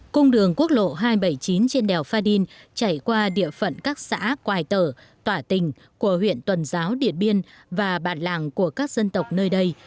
cung đường quốc lộ hai trăm bảy mươi chín trên đèo pha đin chảy qua địa phận các xã quài tở tỏa tình của huyện tuần giáo điện biên và bản làng của các dân tộc nơi đây